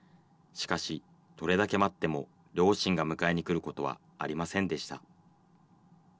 しかし、どれだけ待っても両親が迎えに来ることはありませんでした。